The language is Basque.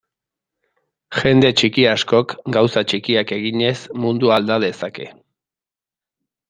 Jende txiki askok, gauza txikiak eginez, mundua alda dezake.